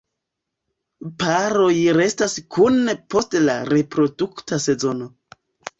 Paroj restas kune post la reprodukta sezono.